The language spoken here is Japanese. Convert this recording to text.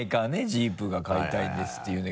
「Ｊｅｅｐが買いたいんです」っていうね。